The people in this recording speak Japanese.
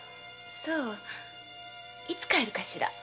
そういつ帰るかしら？